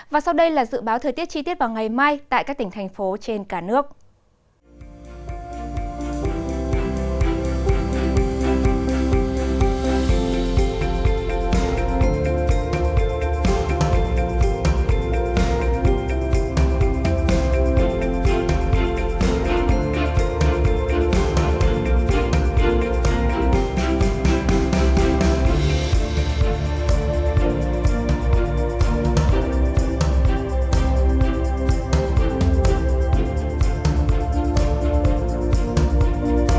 và sau đây là dự báo thời tiết chi tiết vào ngày mai tại các tỉnh thành phố trên cả nước